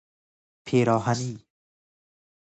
پیراهنی